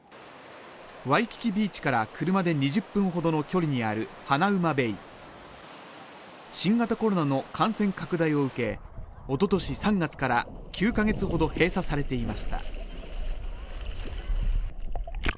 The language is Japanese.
ワイキキビーチから車で２０分ほどの距離にあるハナウマベイ新型コロナの感染拡大を受けおととし３月から９か月ほど閉鎖されていました